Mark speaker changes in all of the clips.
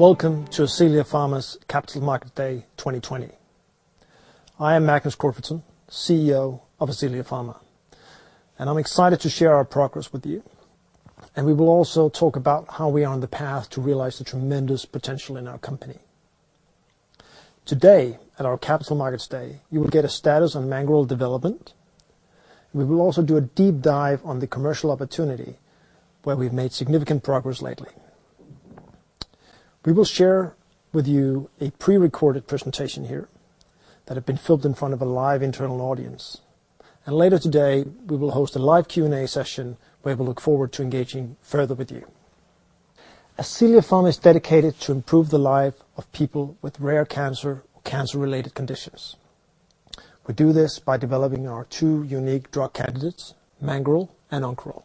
Speaker 1: Welcome to Ascelia Pharma's Capital Market Day 2020. I am Magnus Corfitzen, CEO of Ascelia Pharma. I'm excited to share our progress with you. We will also talk about how we are on the path to realize the tremendous potential in our company. Today, at our Capital Markets Day, you will get a status on Mangoral development. We will also do a deep dive on the commercial opportunity where we've made significant progress lately. We will share with you a pre-recorded presentation here that had been filmed in front of a live internal audience. Later today, we will host a live Q&A session where we look forward to engaging further with you. Ascelia Pharma is dedicated to improve the life of people with rare cancer or cancer-related conditions. We do this by developing our two unique drug candidates, Mangoral and Oncoral.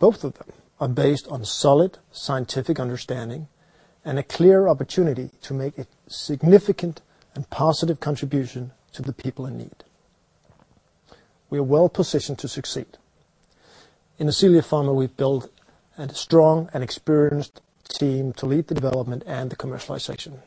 Speaker 1: Both of them are based on solid scientific understanding and a clear opportunity to make a significant and positive contribution to the people in need. We are well-positioned to succeed. In Ascelia Pharma, we've built a strong and experienced team to lead the development and the commercialization.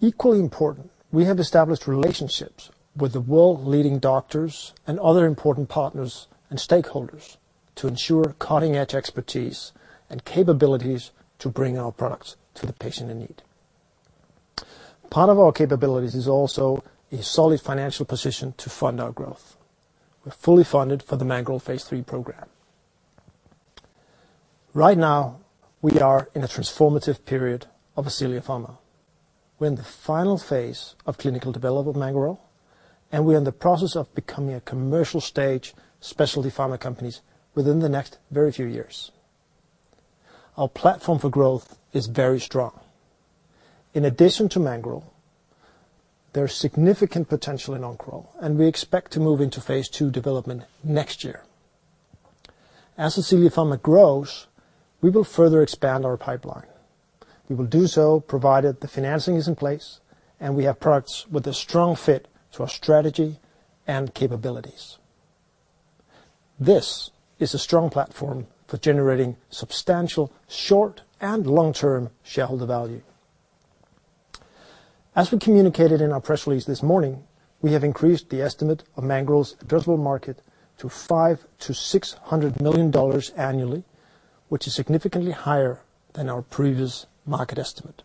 Speaker 1: Equally important, we have established relationships with the world-leading doctors and other important partners and stakeholders to ensure cutting-edge expertise and capabilities to bring our products to the patient in need. Part of our capabilities is also a solid financial position to fund our growth. We're fully funded for the Mangoral phase III program. Right now, we are in a transformative period of Ascelia Pharma. We're in the final phase of clinical development of Mangoral, and we are in the process of becoming a commercial stage specialty pharma companies within the next very few years. Our platform for growth is very strong. In addition to Mangoral, there's significant potential in Oncoral, and we expect to move into phase II development next year. As Ascelia Pharma grows, we will further expand our pipeline. We will do so provided the financing is in place and we have products with a strong fit to our strategy and capabilities. This is a strong platform for generating substantial short and long-term shareholder value. As we communicated in our press release this morning, we have increased the estimate of Mangoral's addressable market to $500 million-$600 million annually, which is significantly higher than our previous market estimate.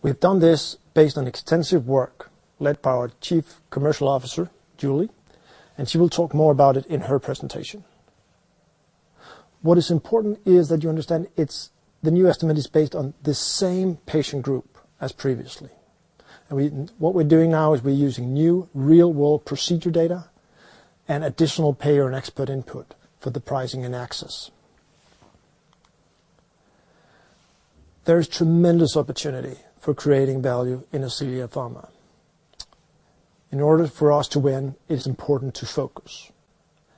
Speaker 1: We've done this based on extensive work led by our Chief Commercial Officer, Julie, and she will talk more about it in her presentation. What is important is that you understand the new estimate is based on the same patient group as previously. What we're doing now is we're using new real-world procedure data and additional payer and expert input for the pricing and access. There is tremendous opportunity for creating value in Ascelia Pharma. In order for us to win, it is important to focus,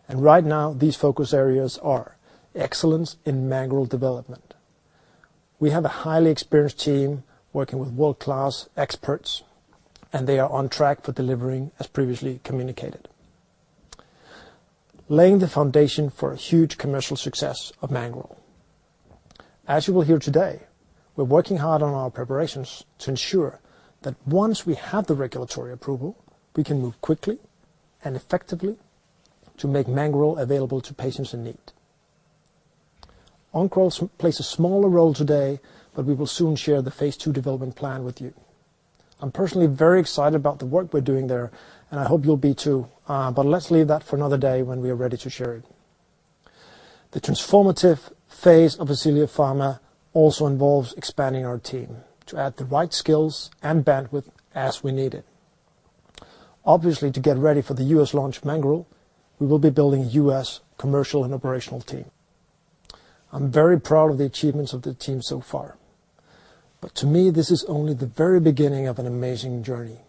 Speaker 1: and right now these focus areas are excellence in Mangoral development. We have a highly experienced team working with world-class experts, and they are on track for delivering as previously communicated. Laying the foundation for a huge commercial success of Mangoral. As you will hear today, we're working hard on our preparations to ensure that once we have the regulatory approval, we can move quickly and effectively to make Mangoral available to patients in need. Oncoral plays a smaller role today, but we will soon share the phase II development plan with you. I'm personally very excited about the work we're doing there, and I hope you'll be too. Let's leave that for another day when we are ready to share it. The transformative phase of Ascelia Pharma also involves expanding our team to add the right skills and bandwidth as we need it. Obviously, to get ready for the U.S. launch of Mangoral, we will be building a U.S. commercial and operational team. I'm very proud of the achievements of the team so far. To me, this is only the very beginning of an amazing journey.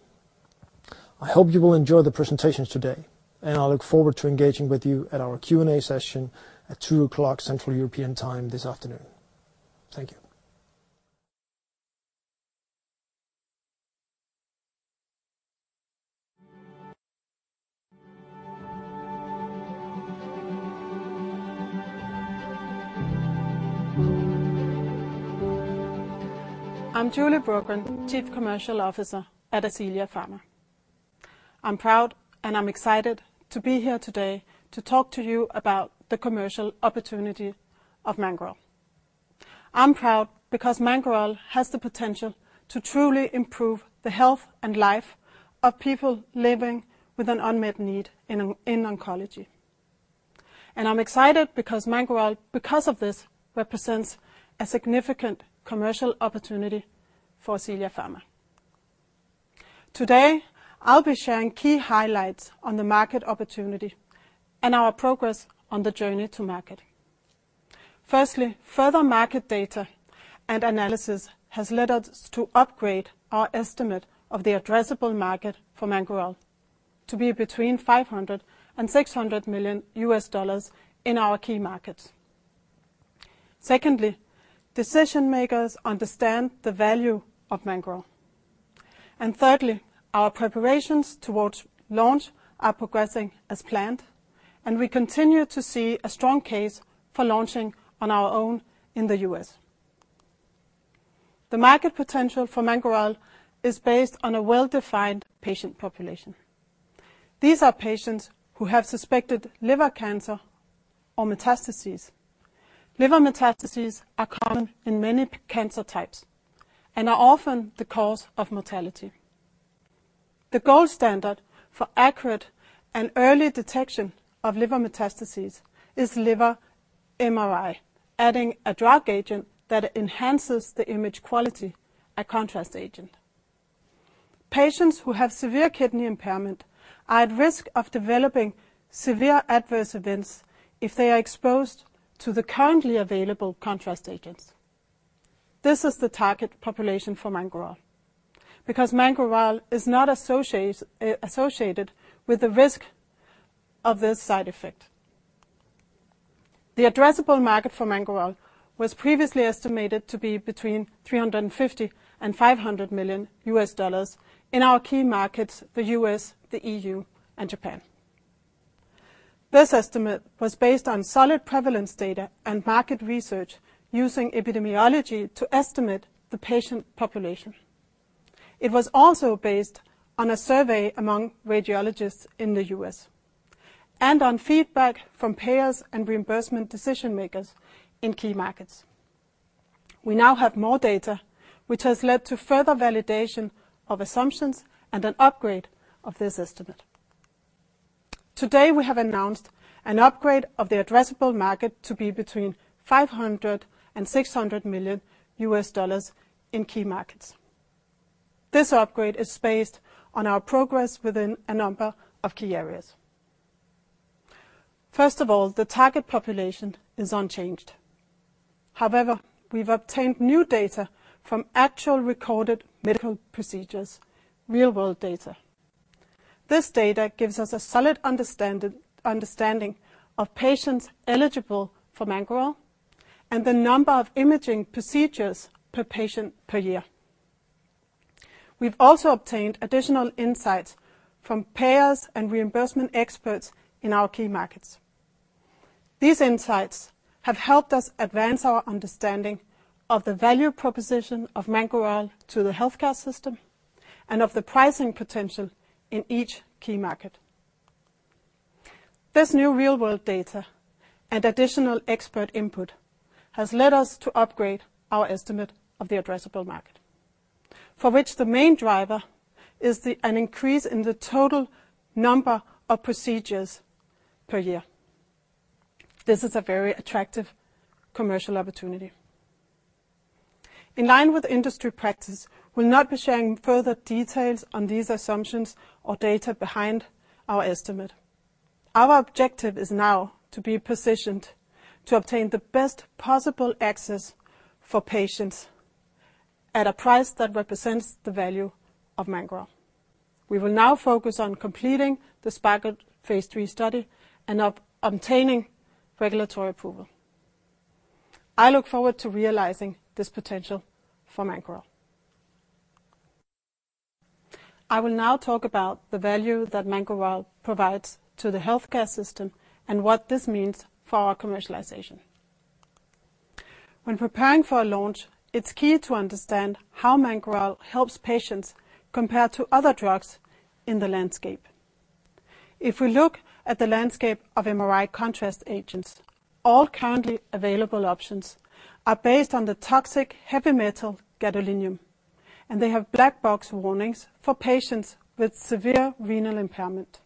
Speaker 1: I hope you will enjoy the presentations today, and I look forward to engaging with you at our Q&A session at 2:00 P.M. Central European Time this afternoon. Thank you.
Speaker 2: I'm Julie Brogren, Chief Commercial Officer at Ascelia Pharma. I'm proud and I'm excited to be here today to talk to you about the commercial opportunity of Mangoral. I'm proud because Mangoral has the potential to truly improve the health and life of people living with an unmet need in oncology. I'm excited because Mangoral, because of this, represents a significant commercial opportunity for Ascelia Pharma. Today, I'll be sharing key highlights on the market opportunity and our progress on the journey to market. Firstly, further market data and analysis has led us to upgrade our estimate of the addressable market for Mangoral to be between $500 million and $600 million U.S. in our key markets. Secondly, decision-makers understand the value of Mangoral. Thirdly, our preparations towards launch are progressing as planned, and we continue to see a strong case for launching on our own in the U.S. The market potential for Mangoral is based on a well-defined patient population. These are patients who have suspected liver cancer or metastases. Liver metastases are common in many cancer types and are often the cause of mortality. The gold standard for accurate and early detection of liver metastases is liver MRI, adding a drug agent that enhances the image quality, a contrast agent. Patients who have severe kidney impairment are at risk of developing severe adverse events if they are exposed to the currently available contrast agents. This is the target population for Mangoral. Mangoral is not associated with the risk of this side effect. The addressable market for Mangoral was previously estimated to be between $350 million and $500 million in our key markets, the U.S., the EU, and Japan. This estimate was based on solid prevalence data and market research using epidemiology to estimate the patient population. It was also based on a survey among radiologists in the U.S., and on feedback from payers and reimbursement decision-makers in key markets. We now have more data, which has led to further validation of assumptions and an upgrade of this estimate. Today, we have announced an upgrade of the addressable market to be between $500 million and $600 million in key markets. This upgrade is based on our progress within a number of key areas. First of all, the target population is unchanged. However, we've obtained new data from actual recorded medical procedures, real-world data. This data gives us a solid understanding of patients eligible for Mangoral and the number of imaging procedures per patient per year. We've also obtained additional insights from payers and reimbursement experts in our key markets. These insights have helped us advance our understanding of the value proposition of Mangoral to the healthcare system and of the pricing potential in each key market. This new real-world data and additional expert input has led us to upgrade our estimate of the addressable market, for which the main driver is an increase in the total number of procedures per year. This is a very attractive commercial opportunity. In line with industry practice, we'll not be sharing further details on these assumptions or data behind our estimate. Our objective is now to be positioned to obtain the best possible access for patients at a price that represents the value of Mangoral. We will now focus on completing the SPARKLE phase III study and obtaining regulatory approval. I look forward to realizing this potential for Mangoral. I will now talk about the value that Mangoral provides to the healthcare system and what this means for our commercialization. When preparing for a launch, it's key to understand how Mangoral helps patients compared to other drugs in the landscape. If we look at the landscape of MRI contrast agents, all currently available options are based on the toxic heavy metal gadolinium, and they have black box warnings for patients with severe renal impairment.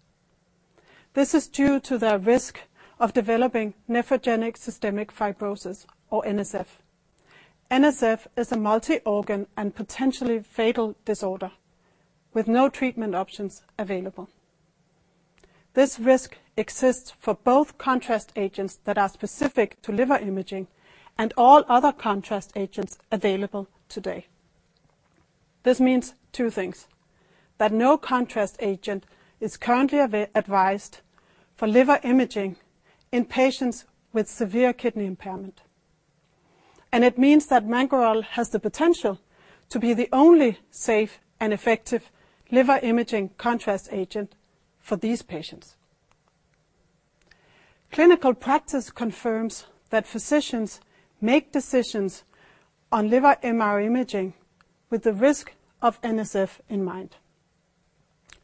Speaker 2: This is due to their risk of developing nephrogenic systemic fibrosis, or NSF. NSF is a multi-organ and potentially fatal disorder with no treatment options available. This risk exists for both contrast agents that are specific to liver imaging and all other contrast agents available today. This means two things: that no contrast agent is currently advised for liver imaging in patients with severe kidney impairment, and it means that Mangoral has the potential to be the only safe and effective liver imaging contrast agent for these patients. Clinical practice confirms that physicians make decisions on liver MR imaging with the risk of NSF in mind.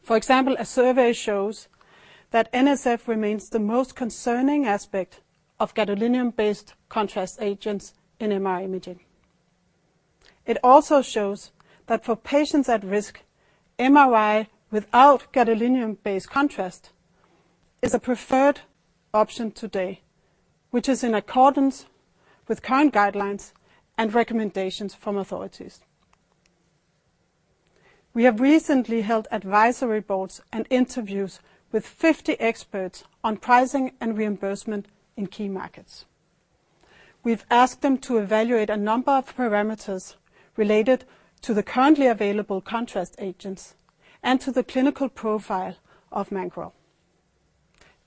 Speaker 2: For example, a survey shows that NSF remains the most concerning aspect of gadolinium-based contrast agents in MR imaging. It also shows that for patients at risk, MRI without gadolinium-based contrast is a preferred option today, which is in accordance with current guidelines and recommendations from authorities. We have recently held advisory boards and interviews with 50 experts on pricing and reimbursement in key markets. We've asked them to evaluate a number of parameters related to the currently available contrast agents and to the clinical profile of Mangoral.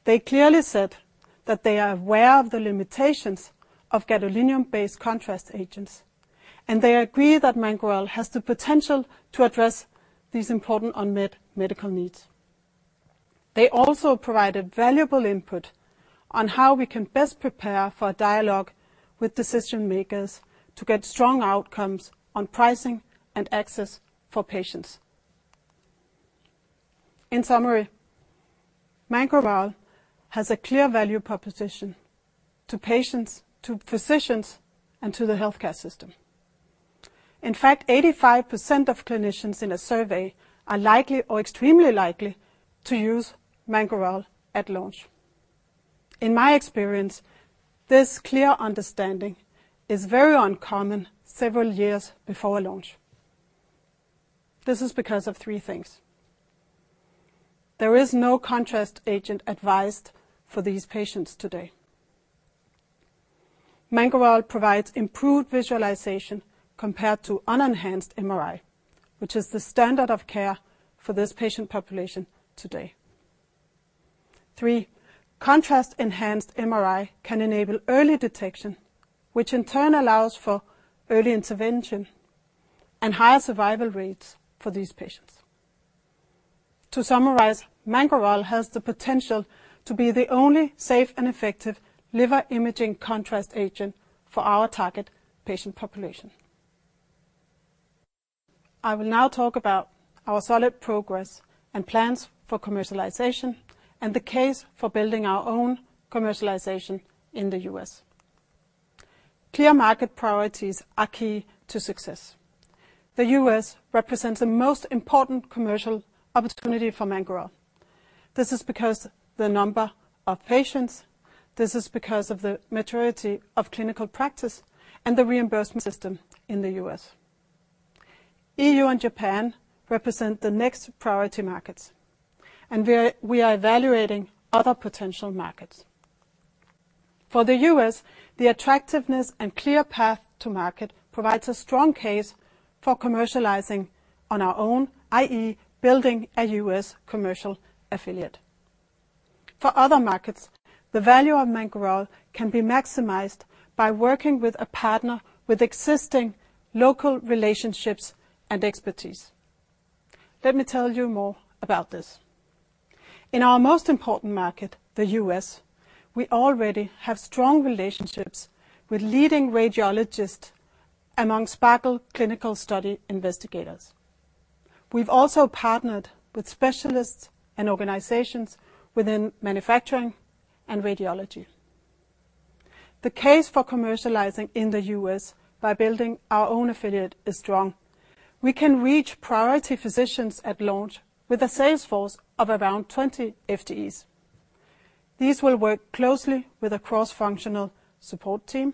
Speaker 2: They clearly said that they are aware of the limitations of gadolinium-based contrast agents, and they agree that Mangoral has the potential to address these important unmet medical needs. They also provided valuable input on how we can best prepare for a dialogue with decision-makers to get strong outcomes on pricing and access for patients. In summary, Mangoral has a clear value proposition to patients, to physicians, and to the healthcare system. In fact, 85% of clinicians in a survey are likely or extremely likely to use Mangoral at launch. In my experience, this clear understanding is very uncommon several years before launch. This is because of three things. There is no contrast agent advised for these patients today. Mangoral provides improved visualization compared to unenhanced MRI, which is the standard of care for this patient population today. Three, contrast-enhanced MRI can enable early detection, which in turn allows for early intervention and higher survival rates for these patients. To summarize, Mangoral has the potential to be the only safe and effective liver imaging contrast agent for our target patient population. I will now talk about our solid progress and plans for commercialization and the case for building our own commercialization in the U.S. Clear market priorities are key to success. The U.S. represents the most important commercial opportunity for Mangoral. This is because the number of patients, of the maturity of clinical practice, and the reimbursement system in the U.S. EU and Japan represent the next priority markets, and we are evaluating other potential markets. For the U.S., the attractiveness and clear path to market provides a strong case for commercializing on our own, i.e., building a U.S. commercial affiliate. For other markets, the value of Mangoral can be maximized by working with a partner with existing local relationships and expertise. Let me tell you more about this. In our most important market, the U.S., we already have strong relationships with leading radiologists among SPARKLE clinical study investigators. We've also partnered with specialists and organizations within manufacturing and radiology. The case for commercializing in the U.S. by building our own affiliate is strong. We can reach priority physicians at launch with a sales force of around 20 FTEs. These will work closely with a cross-functional support team.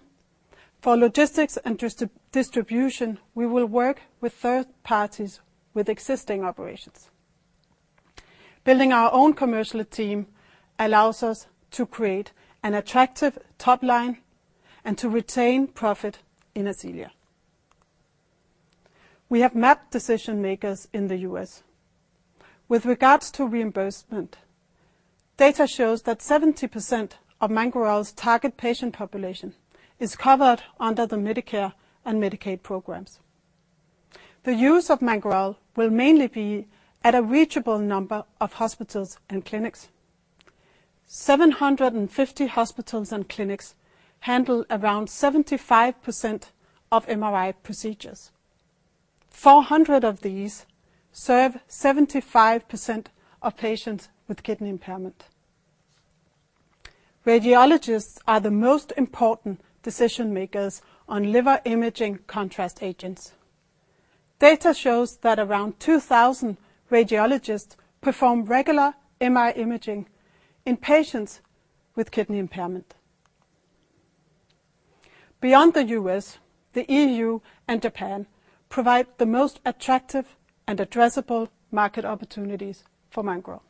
Speaker 2: For logistics and distribution, we will work with third parties with existing operations. Building our own commercial team allows us to create an attractive top line and to retain profit in Ascelia. We have mapped decision-makers in the U.S. With regards to reimbursement, data shows that 70% of Mangoral's target patient population is covered under the Medicare and Medicaid programs. The use of Mangoral will mainly be at a reachable number of hospitals and clinics. 750 hospitals and clinics handle around 75% of MRI procedures. 400 of these serve 75% of patients with kidney impairment. Radiologists are the most important decision-makers on liver imaging contrast agents. Data shows that around 2,000 radiologists perform regular MRI imaging in patients with kidney impairment. Beyond the U.S., the EU and Japan provide the most attractive and addressable market opportunities for Mangoral.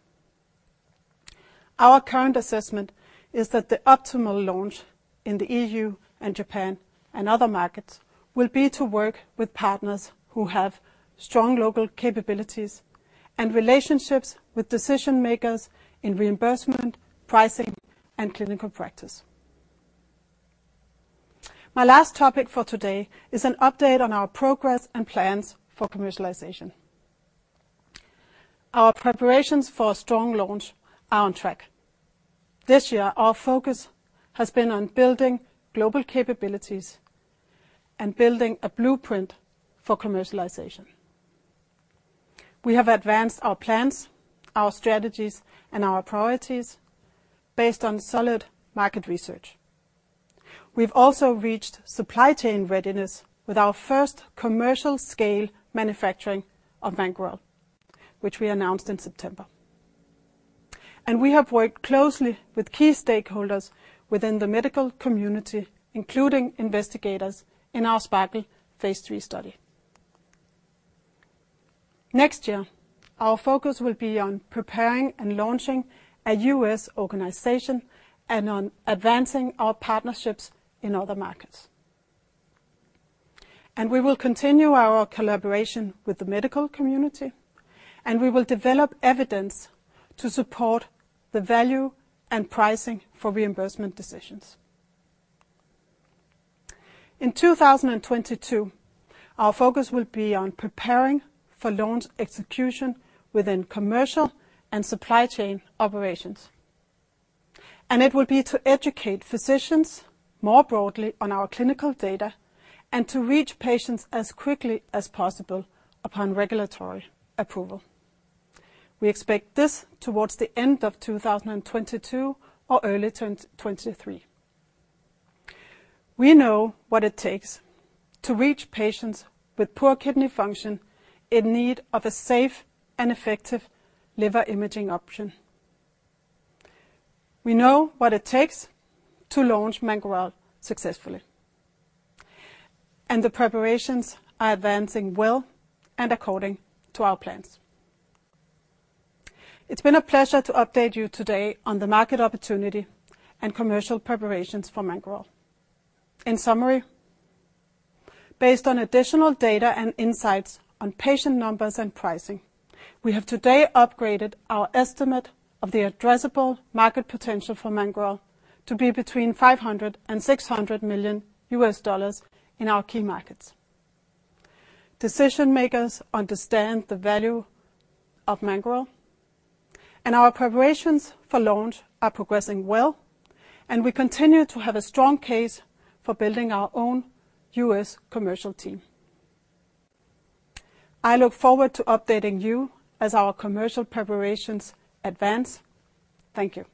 Speaker 2: Our current assessment is that the optimal launch in the EU and Japan and other markets will be to work with partners who have strong local capabilities and relationships with decision-makers in reimbursement, pricing, and clinical practice. My last topic for today is an update on our progress and plans for commercialization. Our preparations for a strong launch are on track. This year, our focus has been on building global capabilities and building a blueprint for commercialization. We have advanced our plans, our strategies, and our priorities based on solid market research. We've also reached supply chain readiness with our first commercial scale manufacturing of Mangoral, which we announced in September. We have worked closely with key stakeholders within the medical community, including investigators in our SPARKLE phase III study. Next year, our focus will be on preparing and launching a U.S. organization and on advancing our partnerships in other markets. We will continue our collaboration with the medical community, and we will develop evidence to support the value and pricing for reimbursement decisions. In 2022, our focus will be on preparing for launch execution within commercial and supply chain operations. It will be to educate physicians more broadly on our clinical data and to reach patients as quickly as possible upon regulatory approval. We expect this towards the end of 2022 or early 2023. We know what it takes to reach patients with poor kidney function in need of a safe and effective liver imaging option. We know what it takes to launch Mangoral successfully. The preparations are advancing well and according to our plans. It's been a pleasure to update you today on the market opportunity and commercial preparations for Mangoral. In summary, based on additional data and insights on patient numbers and pricing, we have today upgraded our estimate of the addressable market potential for Mangoral to be between $500 million and $600 million in our key markets. Decision-makers understand the value of Mangoral, and our preparations for launch are progressing well, and we continue to have a strong case for building our own U.S. commercial team. I look forward to updating you as our commercial preparations advance. Thank you.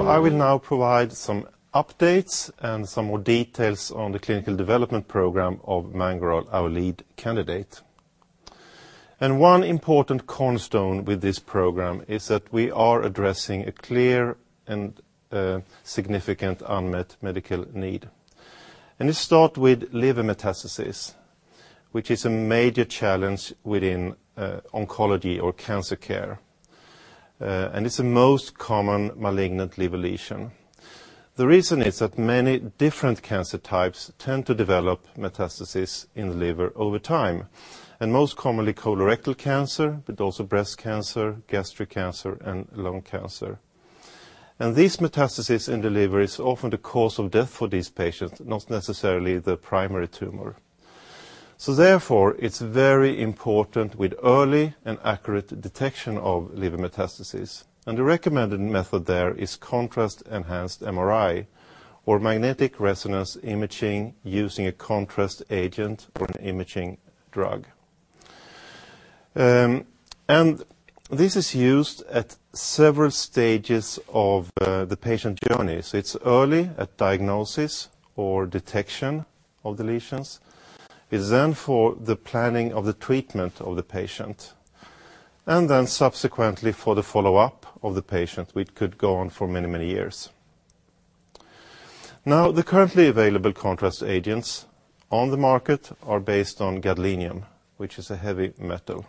Speaker 3: I will now provide some updates and some more details on the clinical development program of Mangoral, our lead candidate. One important cornerstone with this program is that we are addressing a clear and significant unmet medical need. Let's start with liver metastasis, which is a major challenge within oncology or cancer care, and it's the most common malignant liver lesion. The reason is that many different cancer types tend to develop metastasis in the liver over time, and most commonly colorectal cancer, but also breast cancer, gastric cancer, and lung cancer. This metastasis in the liver is often the cause of death for these patients, not necessarily the primary tumor. Therefore, it's very important with early and accurate detection of liver metastasis. The recommended method there is contrast-enhanced MRI or magnetic resonance imaging using a contrast agent or an imaging drug. This is used at several stages of the patient journey. It's early at diagnosis or detection of the lesions, is then for the planning of the treatment of the patient, and then subsequently for the follow-up of the patient, which could go on for many, many years. The currently available contrast agents on the market are based on gadolinium, which is a heavy metal.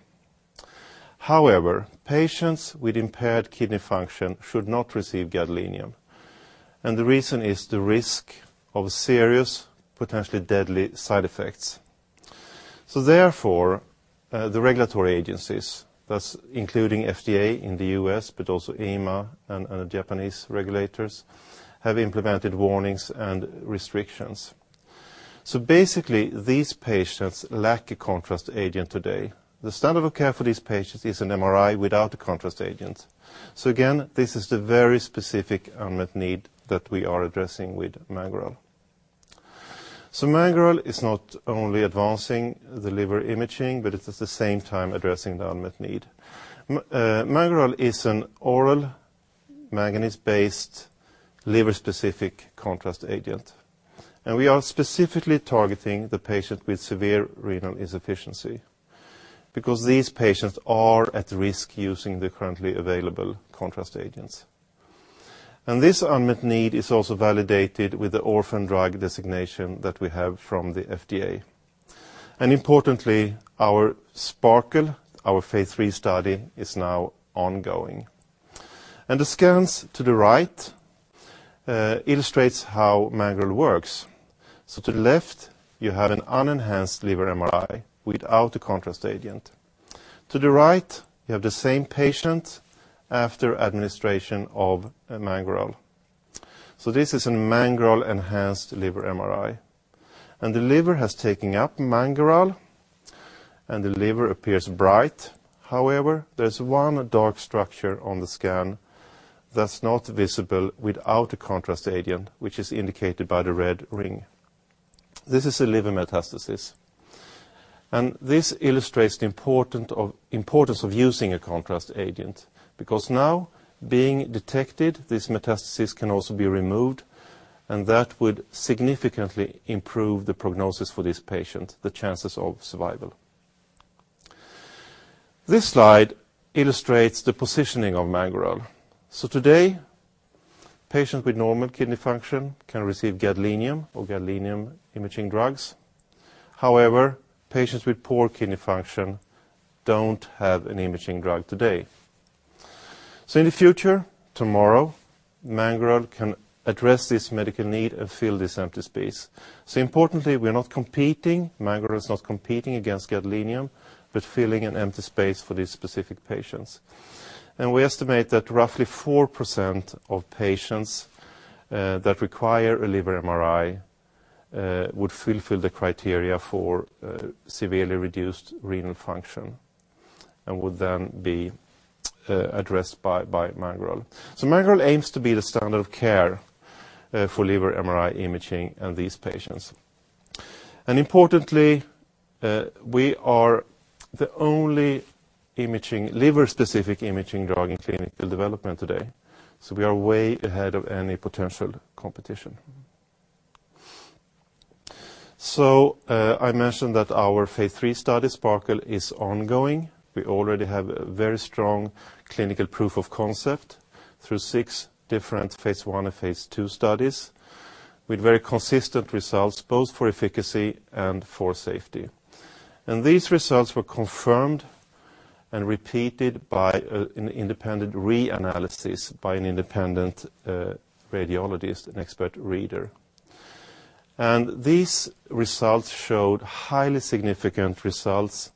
Speaker 3: Patients with impaired kidney function should not receive gadolinium, and the reason is the risk of serious, potentially deadly side effects. Therefore, the regulatory agencies, thus including FDA in the U.S., but also EMA and the Japanese regulators, have implemented warnings and restrictions. Basically, these patients lack a contrast agent today. The standard of care for these patients is an MRI without the contrast agent. Again, this is the very specific unmet need that we are addressing with Mangoral. Mangoral is not only advancing the liver imaging, but it is at the same time addressing the unmet need. Mangoral is an oral manganese-based liver-specific contrast agent, and we are specifically targeting the patient with severe renal insufficiency because these patients are at risk using the currently available contrast agents. This unmet need is also validated with the orphan drug designation that we have from the FDA. Importantly, our SPARKLE, our phase III study, is now ongoing. The scans to the right illustrates how Mangoral works. To the left, you have an unenhanced liver MRI without the contrast agent. To the right, you have the same patient after administration of Mangoral. This is a Mangoral-enhanced liver MRI, and the liver has taken up Mangoral, and the liver appears bright. However, there's one dark structure on the scan that's not visible without a contrast agent, which is indicated by the red ring. This is a liver metastasis. This illustrates the importance of using a contrast agent, because now being detected, this metastasis can also be removed, and that would significantly improve the prognosis for this patient, the chances of survival. This slide illustrates the positioning of Mangoral. Today, patients with normal kidney function can receive gadolinium or gadolinium imaging drugs. However, patients with poor kidney function don't have an imaging drug today. In the future, tomorrow, Mangoral can address this medical need and fill this empty space. Importantly, we are not competing. Mangoral is not competing against gadolinium, but filling an empty space for these specific patients. We estimate that roughly 4% of patients that require a liver MRI would fulfill the criteria for severely reduced renal function, and would then be addressed by Mangoral. Mangoral aims to be the standard of care for liver MRI imaging in these patients. Importantly, we are the only liver-specific imaging drug in clinical development today. We are way ahead of any potential competition. I mentioned that our phase III study, SPARKLE, is ongoing. We already have a very strong clinical proof of concept through six different phase I and phase II studies with very consistent results both for efficacy and for safety. These results were confirmed and repeated by an independent reanalysis by an independent radiologist and expert reader. These results showed highly significant results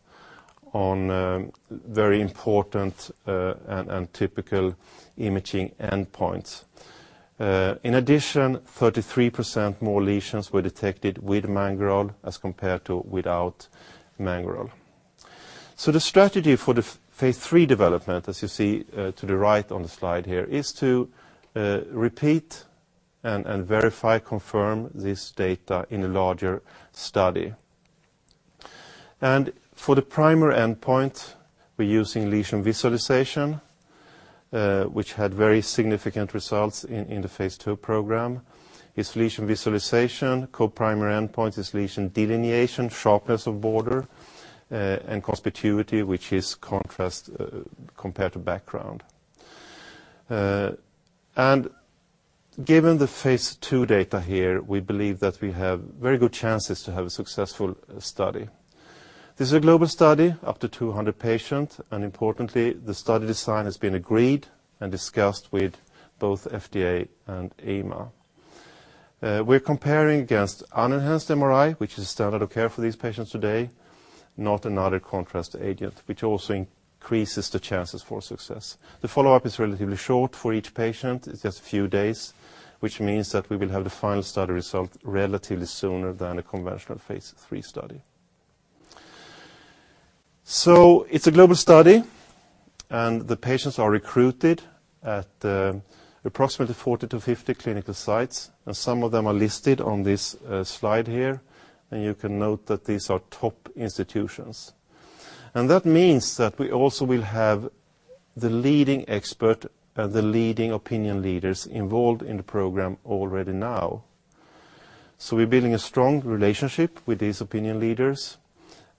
Speaker 3: on very important and typical imaging endpoints. In addition, 33% more lesions were detected with Mangoral as compared to without Mangoral. The strategy for the phase III development, as you see to the right on the slide here, is to repeat and verify, confirm this data in a larger study. For the primary endpoint, we're using lesion visualization, which had very significant results in the phase II program. Its lesion visualization co-primary endpoint is lesion delineation, sharpness of border, and conspicuity, which is contrast compared to background. Given the phase II data here, we believe that we have very good chances to have a successful study. This is a global study, up to 200 patients, and importantly, the study design has been agreed and discussed with both FDA and EMA. We're comparing against unenhanced MRI, which is standard of care for these patients today, not another contrast agent, which also increases the chances for success. The follow-up is relatively short for each patient. It's just a few days, which means that we will have the final study result relatively sooner than a conventional phase III study. It's a global study, and the patients are recruited at approximately 40-50 clinical sites, and some of them are listed on this slide here, and you can note that these are top institutions. That means that we also will have the leading expert and the leading opinion leaders involved in the program already now. We're building a strong relationship with these opinion leaders,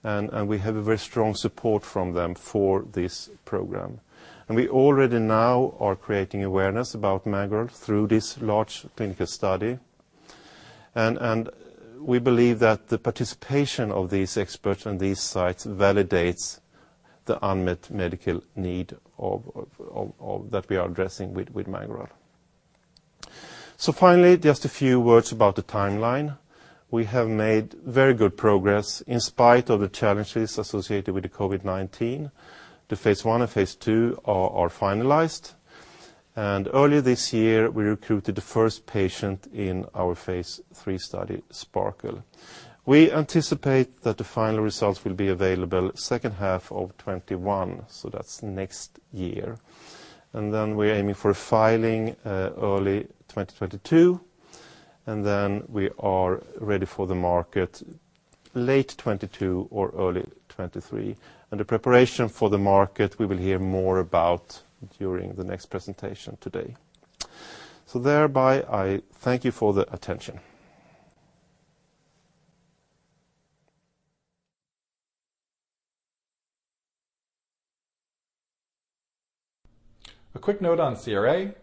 Speaker 3: and we have a very strong support from them for this program. We already now are creating awareness about Mangoral through this large clinical study. We believe that the participation of these experts on these sites validates the unmet medical need that we are addressing with Mangoral. Finally, just a few words about the timeline. We have made very good progress in spite of the challenges associated with the COVID-19. The phase I and phase II are finalized. Early this year, we recruited the first patient in our phase III study, SPARKLE. We anticipate that the final results will be available second half of 2021, that's next year. We're aiming for filing early 2022, we are ready for the market late 2022 or early 2023. The preparation for the market, we will hear more about during the next presentation today. Thereby, I thank you for the attention.
Speaker 4: A quick note on CRA.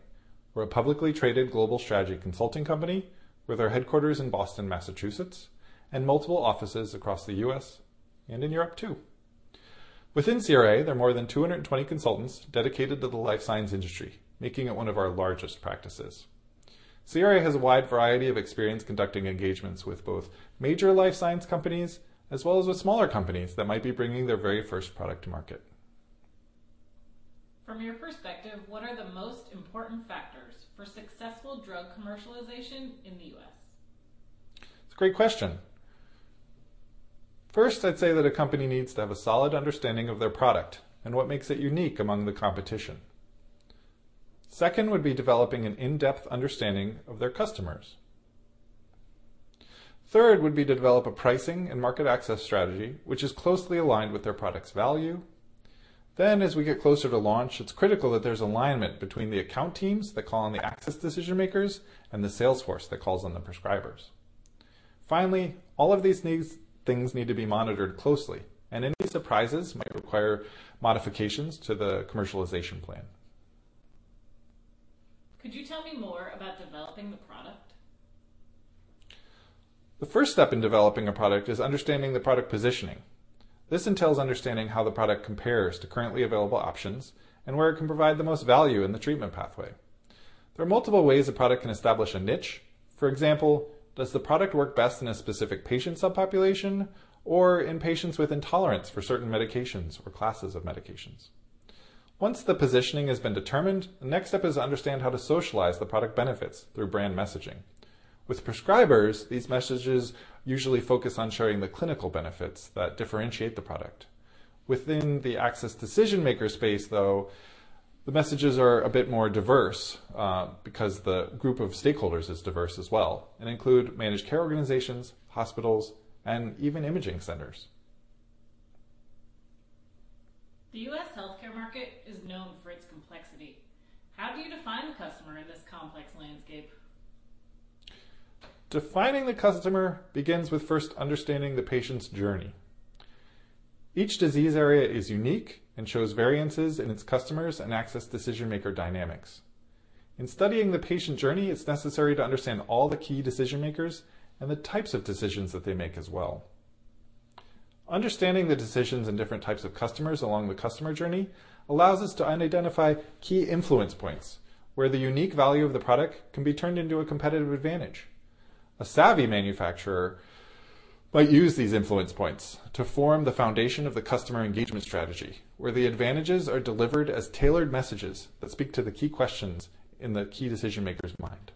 Speaker 4: We're a publicly traded global strategy consulting company with our headquarters in Boston, Massachusetts, and multiple offices across the U.S. and in Europe, too. Within CRA, there are more than 220 consultants dedicated to the life science industry, making it one of our largest practices. CRA has a wide variety of experience conducting engagements with both major life science companies, as well as with smaller companies that might be bringing their very first product to market.
Speaker 5: From your perspective, what are the most important factors for successful drug commercialization in the U.S.?
Speaker 4: It's a great question. First, I'd say that a company needs to have a solid understanding of their product and what makes it unique among the competition. Second would be developing an in-depth understanding of their customers. Third would be to develop a pricing and market access strategy which is closely aligned with their product's value. As we get closer to launch, it's critical that there's alignment between the account teams that call on the access decision makers and the salesforce that calls on the prescribers. All of these things need to be monitored closely, and any surprises might require modifications to the commercialization plan.
Speaker 5: Could you tell me more about developing the product?
Speaker 4: The first step in developing a product is understanding the product positioning. This entails understanding how the product compares to currently available options and where it can provide the most value in the treatment pathway. There are multiple ways a product can establish a niche. For example, does the product work best in a specific patient subpopulation or in patients with intolerance for certain medications or classes of medications? Once the positioning has been determined, the next step is to understand how to socialize the product benefits through brand messaging. With prescribers, these messages usually focus on showing the clinical benefits that differentiate the product. Within the access decision maker space, though, the messages are a bit more diverse, because the group of stakeholders is diverse as well and include managed care organizations, hospitals, and even imaging centers.
Speaker 5: The U.S. healthcare market is known for its complexity. How do you define a customer in this complex landscape?
Speaker 4: Defining the customer begins with first understanding the patient's journey. Each disease area is unique and shows variances in its customers and access decision maker dynamics. In studying the patient journey, it's necessary to understand all the key decision makers and the types of decisions that they make as well. Understanding the decisions and different types of customers along the customer journey allows us to identify key influence points where the unique value of the product can be turned into a competitive advantage. A savvy manufacturer might use these influence points to form the foundation of the customer engagement strategy, where the advantages are delivered as tailored messages that speak to the key questions in the key decision maker's mind.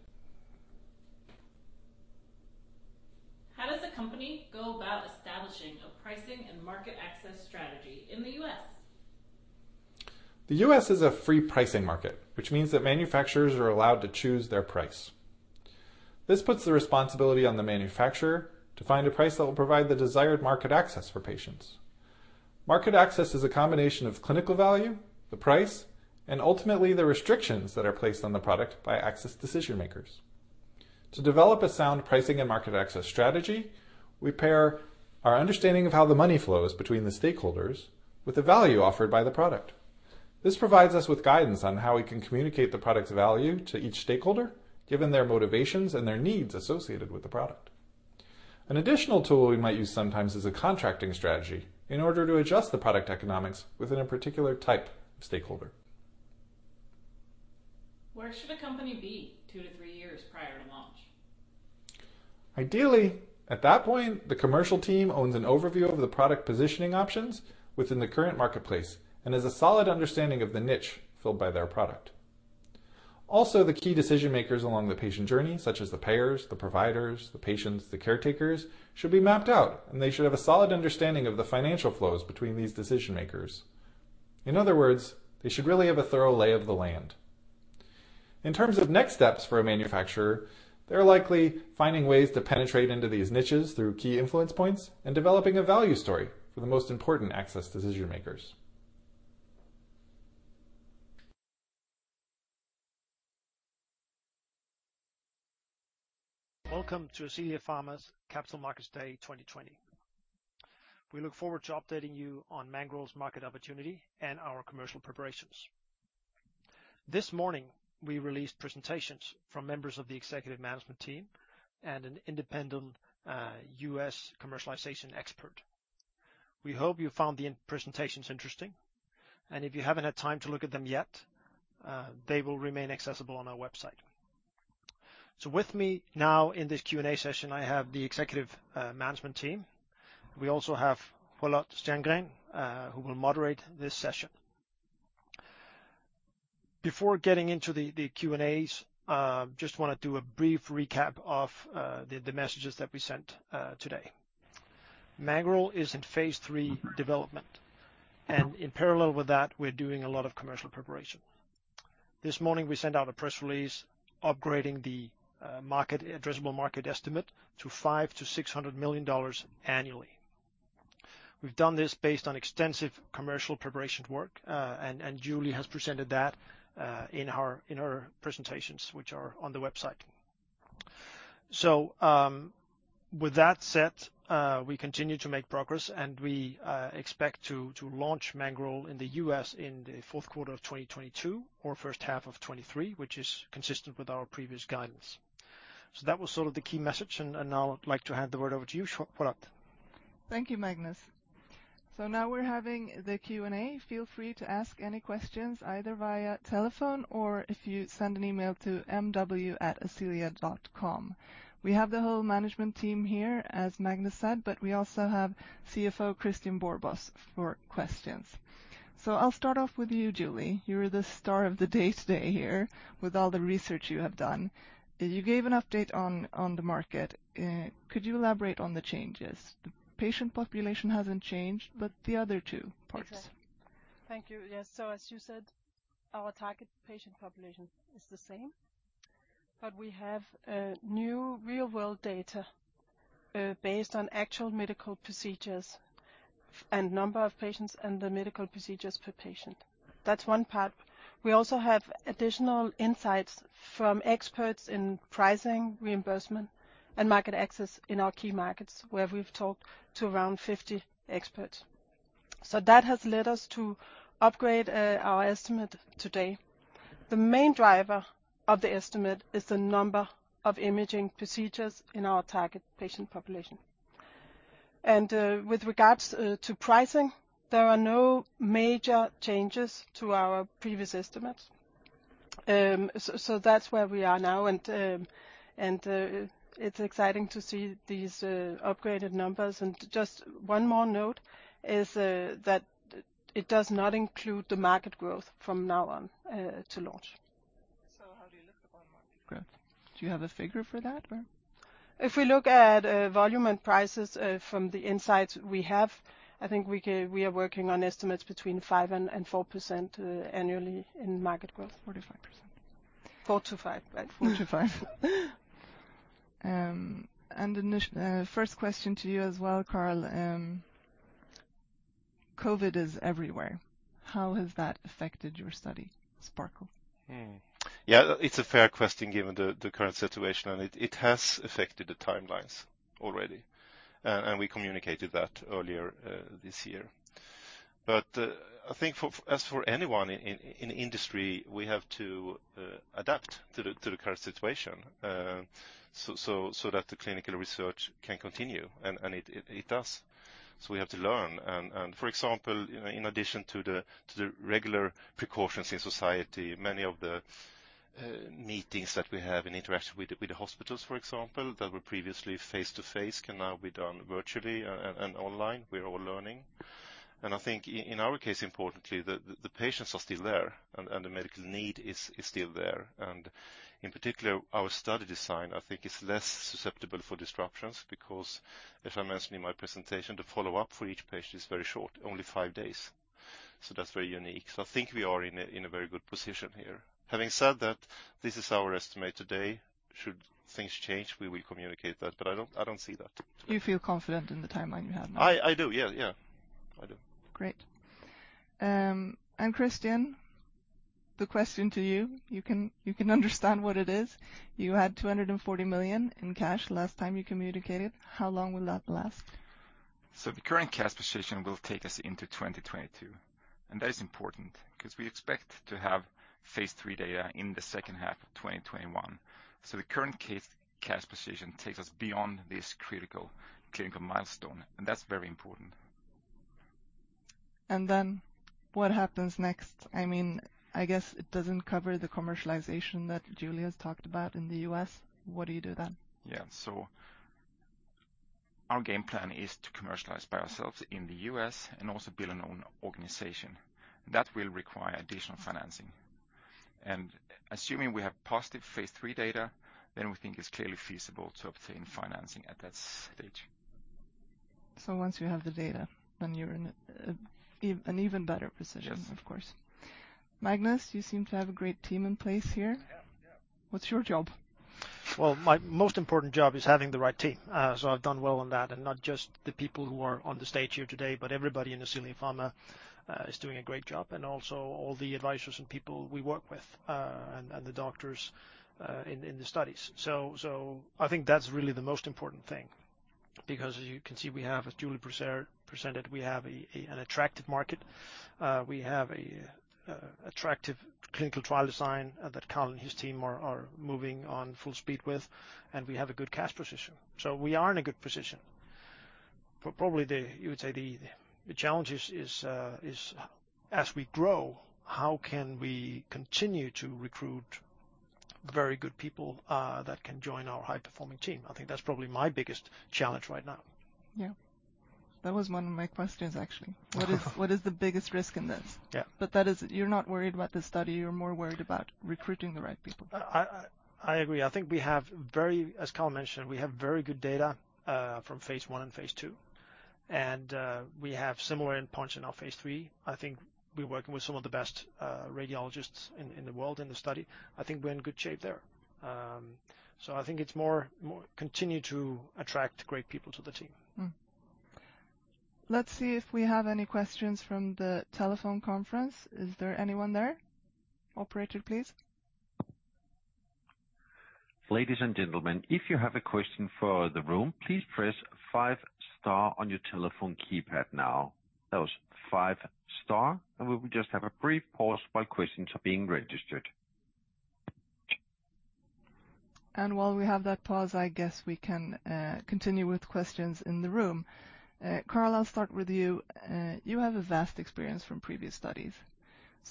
Speaker 5: How does a company go about establishing a pricing and market access strategy in the U.S.?
Speaker 4: The U.S. is a free pricing market, which means that manufacturers are allowed to choose their price. This puts the responsibility on the manufacturer to find a price that will provide the desired market access for patients. Market access is a combination of clinical value, the price, and ultimately the restrictions that are placed on the product by access decision makers. To develop a sound pricing and market access strategy, we pair our understanding of how the money flows between the stakeholders with the value offered by the product. This provides us with guidance on how we can communicate the product's value to each stakeholder, given their motivations and their needs associated with the product. An additional tool we might use sometimes is a contracting strategy in order to adjust the product economics within a particular type of stakeholder.
Speaker 5: Where should a company be two to three years prior to launch?
Speaker 4: Ideally, at that point, the commercial team owns an overview of the product positioning options within the current marketplace and has a solid understanding of the niche filled by their product. Also, the key decision makers along the patient journey, such as the payers, the providers, the patients, the caretakers, should be mapped out, and they should have a solid understanding of the financial flows between these decision makers. In other words, they should really have a thorough lay of the land. In terms of next steps for a manufacturer, they are likely finding ways to penetrate into these niches through key influence points and developing a value story for the most important access decision makers.
Speaker 1: Welcome to Ascelia Pharma's Capital Markets Day 2020. We look forward to updating you on Mangoral's market opportunity and our commercial preparations. This morning, we released presentations from members of the executive management team and an independent U.S. commercialization expert. We hope you found the presentations interesting, and if you haven't had time to look at them yet, they will remain accessible on our website. With me now in this Q&A session, I have the executive management team. We also have Charlotte Stjerngren, who will moderate this session. Before getting into the Q&As, just want to do a brief recap of the messages that we sent today. Mangoral is in phase III development, and in parallel with that, we're doing a lot of commercial preparation. This morning, we sent out a press release upgrading the addressable market estimate to $500 million-$600 million annually. We've done this based on extensive commercial preparation work, and Julie has presented that in her presentations, which are on the website. With that said, we continue to make progress, and we expect to launch Mangoral in the U.S. in the fourth quarter of 2022 or first half of 2023, which is consistent with our previous guidance. That was sort of the key message, and now I'd like to hand the word over to you, Charlotte.
Speaker 6: Thank you, Magnus. Now we're having the Q&A. Feel free to ask any questions, either via telephone or if you send an email to mw@ascelia.com. We have the whole management team here, as Magnus said, but we also have CFO Kristian Borbos for questions. I'll start off with you, Julie. You were the star of the day today here with all the research you have done. You gave an update on the market. Could you elaborate on the changes? The patient population hasn't changed, but the other two parts.
Speaker 2: Exactly. Thank you. Yes. As you said, our target patient population is the same, but we have new real world data based on actual medical procedures and number of patients and the medical procedures per patient. That's one part. We also have additional insights from experts in pricing, reimbursement, and market access in our key markets, where we've talked to around 50 experts. That has led us to upgrade our estimate today. The main driver of the estimate is the number of imaging procedures in our target patient population. With regards to pricing, there are no major changes to our previous estimates. That's where we are now, and it's exciting to see these upgraded numbers. Just one more note is that it does not include the market growth from now on to launch.
Speaker 6: How do you look at bottom line growth? Do you have a figure for that?
Speaker 2: If we look at volume and prices from the insights we have, I think we are working on estimates between 5% and 4% annually in market growth.
Speaker 6: 4%-5%.
Speaker 2: Four to five, right.
Speaker 6: Four to five. Initial first question to you as well, Carl. COVID-19 is everywhere. How has that affected your study, SPARKLE?
Speaker 3: Yeah, it's a fair question given the current situation, and it has affected the timelines already. We communicated that earlier this year. I think as for anyone in the industry, we have to adapt to the current situation so that the clinical research can continue. It does. We have to learn. For example, in addition to the regular precautions in society, many of the meetings that we have and interaction with the hospitals, for example, that were previously face-to-face, can now be done virtually and online. We are all learning. I think in our case, importantly, the patients are still there. The medical need is still there. In particular, our study design, I think, is less susceptible for disruptions because as I mentioned in my presentation, the follow-up for each patient is very short, only five days. That's very unique. I think we are in a very good position here. Having said that, this is our estimate today. Should things change, we will communicate that, but I don't see that.
Speaker 6: You feel confident in the timeline you have now?
Speaker 3: I do, yeah. I do.
Speaker 6: Great. Kristian, the question to you can understand what it is. You had 240 million in cash last time you communicated. How long will that last?
Speaker 7: The current cash position will take us into 2022, and that is important because we expect to have phase III data in the second half of 2021. The current cash position takes us beyond this critical clinical milestone, and that's very important.
Speaker 6: What happens next? I guess it doesn't cover the commercialization that Julie has talked about in the U.S. What do you do then?
Speaker 7: Yeah. Our game plan is to commercialize by ourselves in the U.S. and also build an own organization. That will require additional financing. Assuming we have positive phase III data, then we think it's clearly feasible to obtain financing at that stage.
Speaker 6: Once you have the data, then you're in an even better position.
Speaker 7: Yes
Speaker 6: Of course. Magnus, you seem to have a great team in place here.
Speaker 1: Yeah.
Speaker 6: What's your job?
Speaker 1: Well, my most important job is having the right team. I've done well on that. Not just the people who are on the stage here today, but everybody in Ascelia Pharma is doing a great job. Also all the advisors and people we work with, and the doctors in the studies. I think that's really the most important thing, because as you can see, we have, as Julie presented, we have an attractive market. We have an attractive clinical trial design that Carl and his team are moving on full speed with, and we have a good cash position. We are in a good position. Probably, you would say the challenge is as we grow, how can we continue to recruit very good people that can join our high-performing team? I think that's probably my biggest challenge right now.
Speaker 6: Yeah. That was one of my questions, actually. What is the biggest risk in this?
Speaker 1: Yeah.
Speaker 6: You're not worried about the study, you're more worried about recruiting the right people.
Speaker 1: I agree. As Carl mentioned, we have very good data from phase I and phase II. We have similar endpoints in our phase III. I think we're working with some of the best radiologists in the world in the study. I think we're in good shape there. I think it's more continue to attract great people to the team.
Speaker 6: Let's see if we have any questions from the telephone conference. Is there anyone there? Operator, please.
Speaker 8: Ladies and gentlemen, if you have a question for the room, please press five star on your telephone keypad now. That was five star. We will just have a brief pause while questions are being registered.
Speaker 6: While we have that pause, I guess we can continue with questions in the room. Carl, I'll start with you. You have a vast experience from previous studies.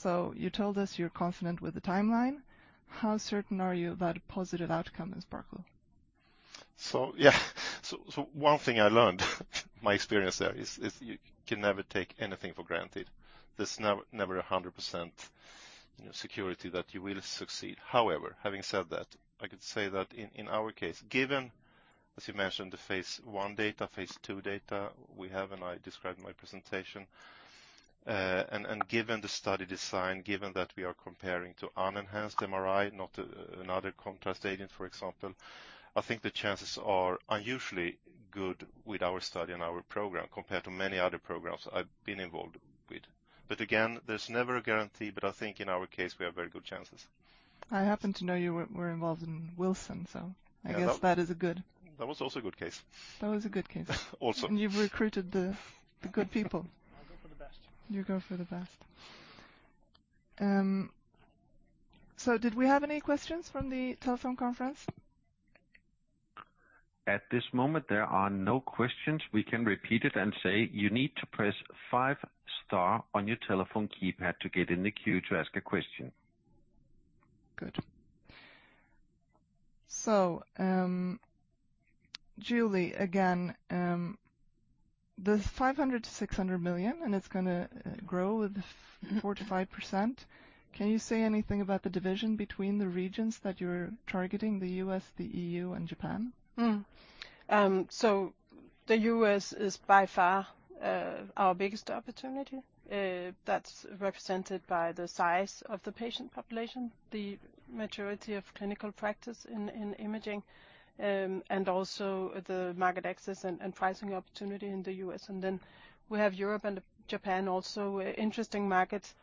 Speaker 6: You told us you're confident with the timeline. How certain are you about a positive outcome in SPARKLE?
Speaker 3: Yeah. One thing I learned, my experience there is you can never take anything for granted. There's never 100% security that you will succeed. However, having said that, I could say that in our case, given, as you mentioned, the phase I data, phase II data we have, and I described in my presentation. Given the study design, given that we are comparing to unenhanced MRI, not another contrast agent, for example. I think the chances are unusually good with our study and our program, compared to many other programs I've been involved with. Again, there's never a guarantee, but I think in our case, we have very good chances.
Speaker 6: I happen to know you were involved in Wilson, so I guess that is a.
Speaker 3: That was also a good case.
Speaker 6: That was a good case.
Speaker 3: Also.
Speaker 6: You've recruited the good people.
Speaker 3: I go for the best.
Speaker 6: You go for the best. Did we have any questions from the telephone conference?
Speaker 8: At this moment, there are no questions. We can repeat it and say, you need to press five star on your telephone keypad to get in the queue to ask a question.
Speaker 6: Good. Julie, again, this $500 million-$600 million, and it's going to grow with 45%. Can you say anything about the division between the regions that you're targeting, the U.S., the EU, and Japan?
Speaker 2: The U.S. is by far our biggest opportunity. That's represented by the size of the patient population, the maturity of clinical practice in imaging, and also the market access and pricing opportunity in the U.S. We have Europe and Japan also, interesting markets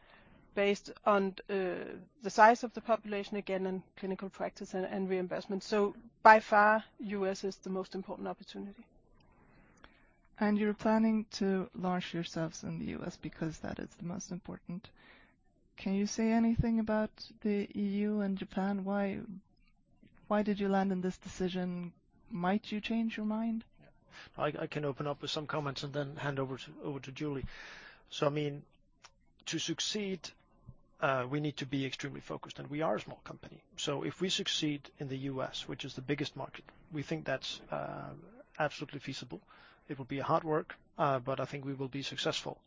Speaker 2: based on the size of the population, again, in clinical practice and reimbursement. By far, U.S. is the most important opportunity.
Speaker 6: You're planning to launch yourselves in the U.S. because that is the most important. Can you say anything about the EU and Japan? Why did you land in this decision? Might you change your mind?
Speaker 1: I can open up with some comments and then hand over to Julie. To succeed, we need to be extremely focused, and we are a small company. If we succeed in the U.S., which is the biggest market, we think that's absolutely feasible. It will be hard work, but I think we will be successful.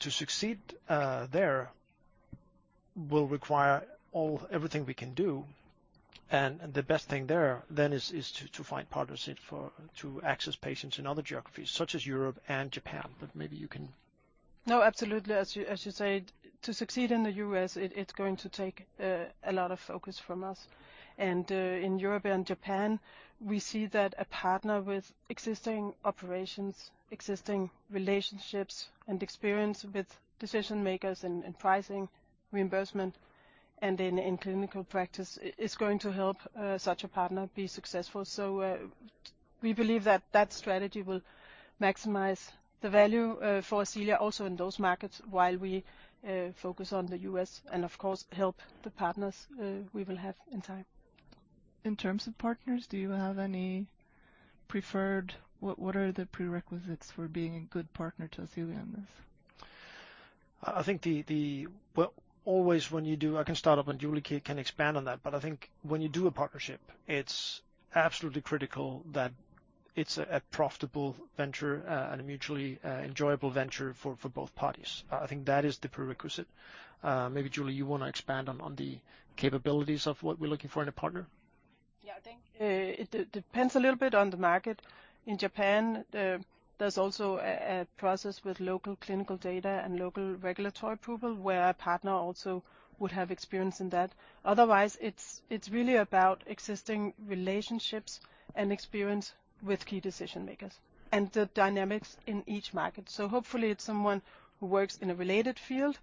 Speaker 1: To succeed there will require everything we can do, and the best thing there then is to find partners to access patients in other geographies, such as Europe and Japan. Maybe you can
Speaker 2: No, absolutely. As you say, to succeed in the U.S., it's going to take a lot of focus from us. In Europe and Japan, we see that a partner with existing operations, existing relationships and experience with decision-makers and pricing, reimbursement, and in clinical practice, it's going to help such a partner be successful. We believe that strategy will maximize the value for Ascelia also in those markets, while we focus on the U.S. and of course, help the partners we will have in time.
Speaker 6: In terms of partners, what are the prerequisites for being a good partner to Ascelia in this?
Speaker 1: I can start off. Julie can expand on that. I think when you do a partnership, it's absolutely critical that it's a profitable venture and a mutually enjoyable venture for both parties. I think that is the prerequisite. Maybe Julie, you want to expand on the capabilities of what we're looking for in a partner.
Speaker 2: Yeah, I think it depends a little bit on the market. In Japan, there's also a process with local clinical data and local regulatory approval, where a partner also would have experience in that. Otherwise, it's really about existing relationships and experience with key decision-makers and the dynamics in each market. Hopefully it's someone who works in a related field,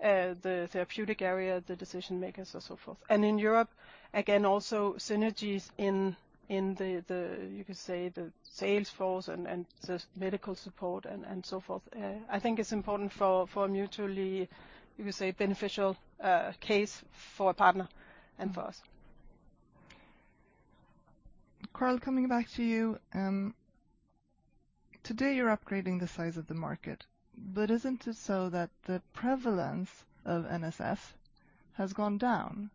Speaker 2: the therapeutic area, the decision-makers, or so forth. In Europe, again, also synergies in the, you could say, sales force and the medical support and so forth. I think it's important for a mutually, you could say, beneficial case for a partner and for us.
Speaker 6: Carl, coming back to you. Today, you're upgrading the size of the market, but isn't it so that the prevalence of NSF has gone down?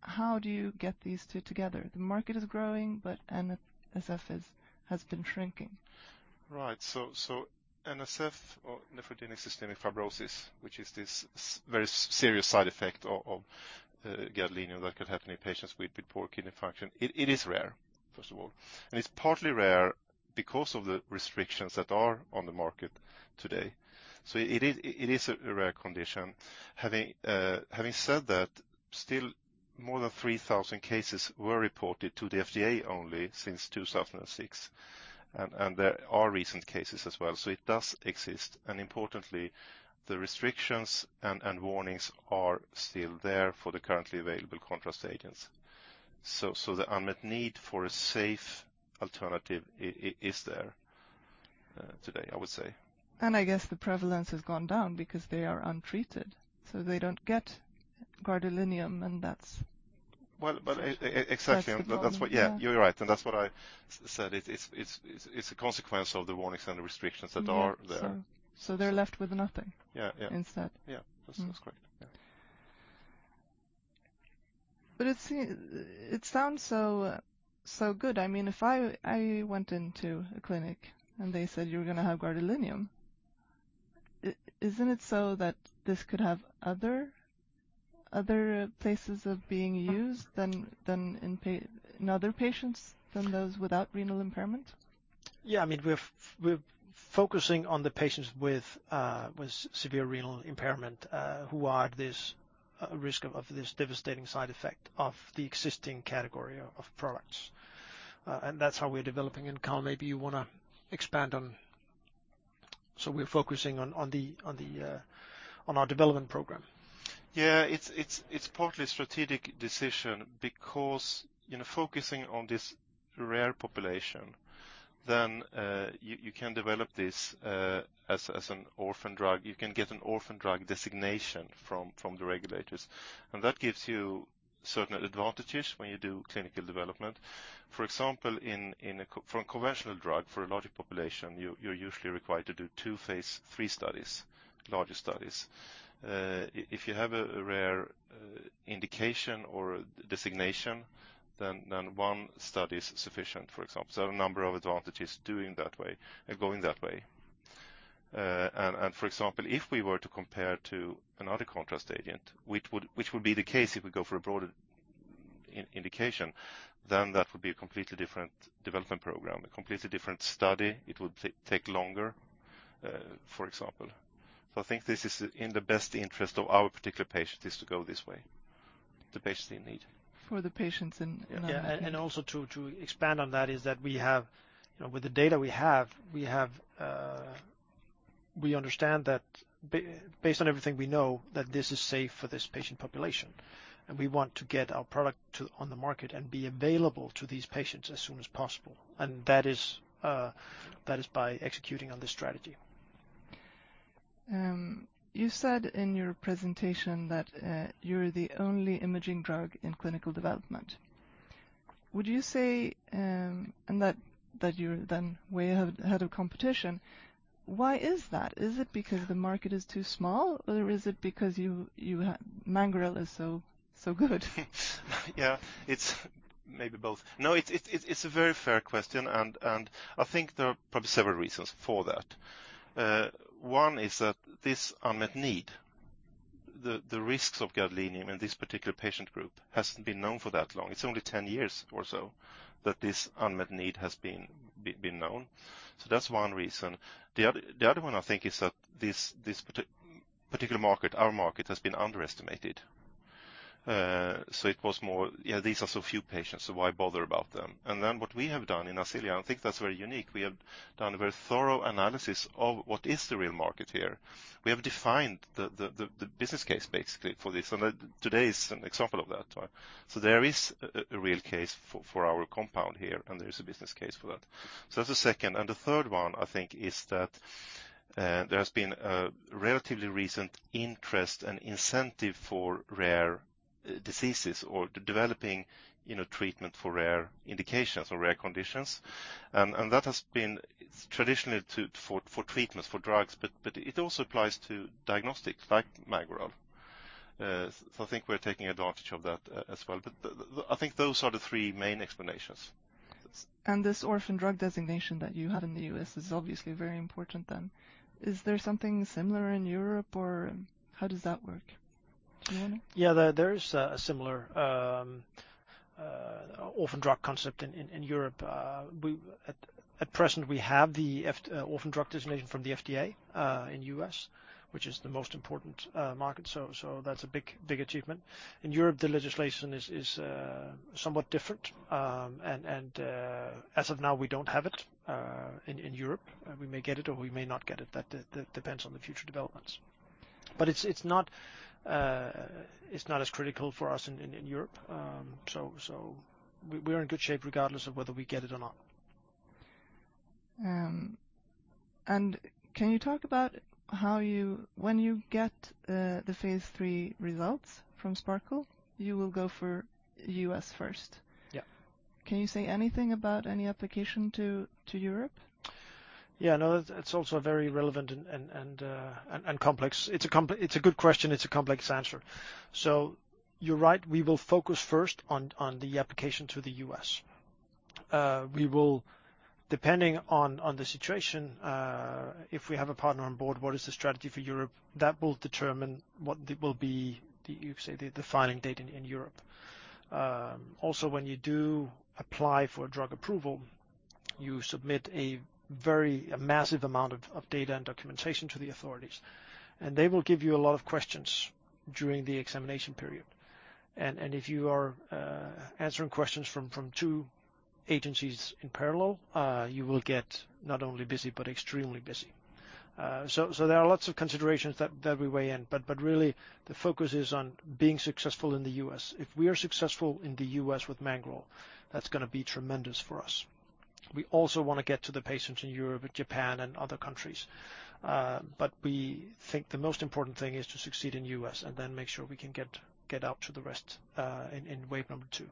Speaker 6: How do you get these two together? The market is growing, but NSF has been shrinking.
Speaker 3: Right. NSF or nephrogenic systemic fibrosis, which is this very serious side effect of gadolinium that could happen in patients with poor kidney function. It is rare, first of all, and it's partly rare because of the restrictions that are on the market today. It is a rare condition. Having said that, still more than 3,000 cases were reported to the FDA only since 2006, and there are recent cases as well. It does exist, and importantly, the restrictions and warnings are still there for the currently available contrast agents. The unmet need for a safe alternative is there today, I would say.
Speaker 6: I guess the prevalence has gone down because they are untreated, so they don't get gadolinium.
Speaker 3: Well, exactly.
Speaker 6: That's the problem, yeah.
Speaker 3: You're right. That's what I said. It's a consequence of the warnings and the restrictions that are there.
Speaker 6: They're left with nothing.
Speaker 3: Yeah.
Speaker 6: Instead.
Speaker 3: Yeah. That's correct. Yeah.
Speaker 6: It sounds so good. If I went into a clinic and they said, "You're going to have gadolinium," isn't it so that this could have other places of being used than in other patients than those without renal impairment?
Speaker 1: Yeah, we're focusing on the patients with severe renal impairment, who are at this risk of this devastating side effect of the existing category of products. That's how we're developing. Carl, maybe you want to expand on? We're focusing on our development program.
Speaker 3: It's partly a strategic decision because, focusing on this rare population, then you can develop this as an orphan drug. You can get an orphan drug designation from the regulators, and that gives you certain advantages when you do clinical development. For example, for a conventional drug, for a larger population, you're usually required to do two phase III studies, larger studies. If you have a rare indication or designation, then one study is sufficient, for example. A number of advantages doing that way and going that way. For example, if we were to compare to another contrast agent, which would be the case if we go for a broader indication, then that would be a completely different development program, a completely different study. It would take longer, for example. I think this is in the best interest of our particular patient is to go this way, the patient in need.
Speaker 6: For the patients in-
Speaker 1: Yeah. Also to expand on that is that with the data we have, we understand that based on everything we know, that this is safe for this patient population, and we want to get our product on the market and be available to these patients as soon as possible. That is by executing on this strategy.
Speaker 6: You said in your presentation that you're the only imaging drug in clinical development. Would you say, and that you're then way ahead of competition, why is that? Is it because the market is too small, or is it because Mangoral is so good?
Speaker 3: Yeah. It's maybe both. It's a very fair question, and I think there are probably several reasons for that. One is that this unmet need, the risks of gadolinium in this particular patient group hasn't been known for that long. It's only 10 years or so that this unmet need has been known. That's one reason. The other one I think is that this particular market, our market, has been underestimated. It was more, these are so few patients, so why bother about them? What we have done in Ascelia, and I think that's very unique, we have done a very thorough analysis of what is the real market here. We have defined the business case, basically, for this. Today is an example of that. There is a real case for our compound here, and there is a business case for that. That's the second. The third one, I think, is that there has been a relatively recent interest and incentive for rare diseases or developing treatment for rare indications or rare conditions. That has been traditionally for treatments for drugs, but it also applies to diagnostics like Mangoral. I think we're taking advantage of that as well, but I think those are the three main explanations.
Speaker 6: This orphan drug designation that you have in the U.S. is obviously very important then. Is there something similar in Europe, or how does that work? Do you know?
Speaker 1: Yeah, there is a similar orphan drug concept in Europe. At present, we have the orphan drug designation from the FDA in U.S., which is the most important market, so that's a big achievement. In Europe, the legislation is somewhat different. As of now, we don't have it in Europe. We may get it or we may not get it. That depends on the future developments. It's not as critical for us in Europe. We're in good shape regardless of whether we get it or not.
Speaker 6: Can you talk about when you get the phase III results from SPARKLE, you will go for U.S. first?
Speaker 1: Yeah.
Speaker 6: Can you say anything about any application to Europe?
Speaker 1: Yeah, no, that's also very relevant and complex. It's a good question. It's a complex answer. You're right, we will focus first on the application to the U.S. We will, depending on the situation, if we have a partner on board, what is the strategy for Europe, that will determine what will be the filing date in Europe. When you do apply for a drug approval, you submit a massive amount of data and documentation to the authorities, and they will give you a lot of questions during the examination period. If you are answering questions from two agencies in parallel, you will get not only busy, but extremely busy. There are lots of considerations that we weigh in, but really the focus is on being successful in the U.S. If we are successful in the U.S. with Mangoral, that's going to be tremendous for us. We also want to get to the patients in Europe and Japan and other countries. We think the most important thing is to succeed in U.S. and then make sure we can get out to the rest in wave number two.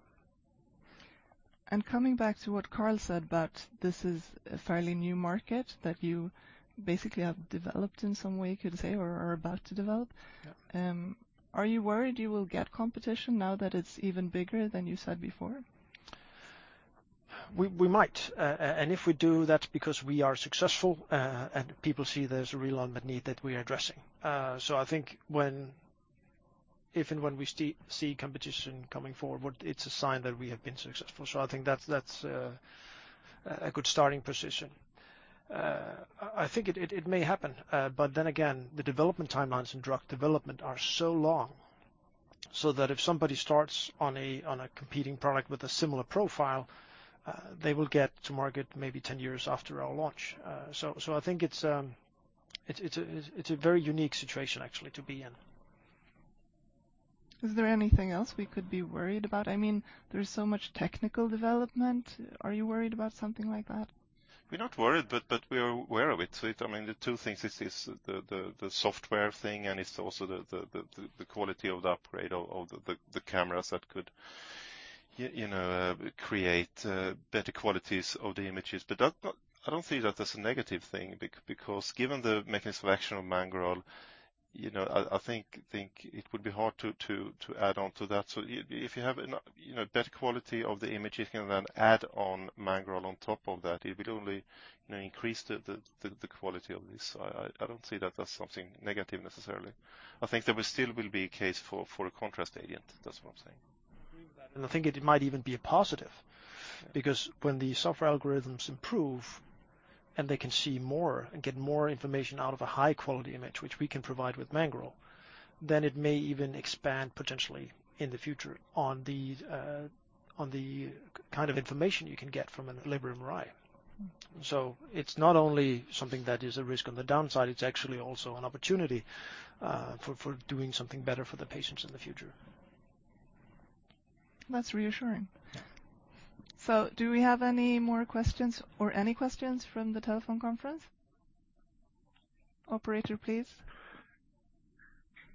Speaker 6: Coming back to what Carl said about this is a fairly new market that you basically have developed in some way, you could say, or are about to develop.
Speaker 1: Yeah.
Speaker 6: Are you worried you will get competition now that it's even bigger than you said before?
Speaker 1: We might. If we do, that's because we are successful, and people see there's a real unmet need that we are addressing. I think if and when we see competition coming forward, it's a sign that we have been successful. I think that's a good starting position. I think it may happen, but then again, the development timelines in drug development are so long, so that if somebody starts on a competing product with a similar profile, they will get to market maybe 10 years after our launch. I think it's a very unique situation, actually, to be in.
Speaker 6: Is there anything else we could be worried about? There's so much technical development. Are you worried about something like that?
Speaker 3: We're not worried, but we are aware of it. The two things is the software thing, and it's also the quality of the upgrade of the cameras that could create better qualities of the images. I don't see that as a negative thing because given the mechanism of action of Mangoral, I think it would be hard to add on to that. If you have better quality of the image, you can then add on Mangoral on top of that, it will only increase the quality of this. I don't see that as something negative, necessarily. I think there will still be a case for a contrast agent. That's what I'm saying.
Speaker 1: I agree with that, and I think it might even be a positive, because when the software algorithms improve and they can see more and get more information out of a high-quality image, which we can provide with Mangoral, then it may even expand potentially in the future on the kind of information you can get from a liver MRI. It's not only something that is a risk on the downside, it's actually also an opportunity for doing something better for the patients in the future.
Speaker 6: That's reassuring.
Speaker 1: Yeah.
Speaker 6: Do we have any more questions or any questions from the telephone conference? Operator, please.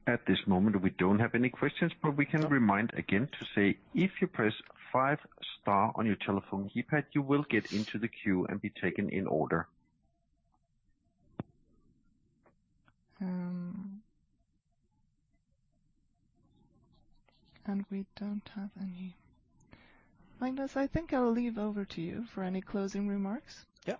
Speaker 8: At this moment, we don't have any questions, but we can remind again to say, if you press five star on your telephone keypad, you will get into the queue and be taken in order.
Speaker 6: We don't have any. Magnus, I think I will leave over to you for any closing remarks.
Speaker 1: Yeah.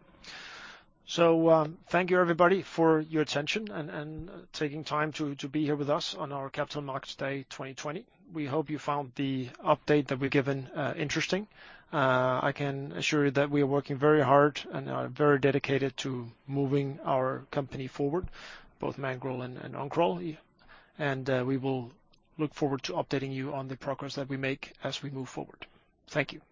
Speaker 1: Thank you everybody for your attention and taking time to be here with us on our Capital Markets Day 2020. We hope you found the update that we've given interesting. I can assure you that we are working very hard and are very dedicated to moving our company forward, both Mangoral and Oncoral. We will look forward to updating you on the progress that we make as we move forward. Thank you.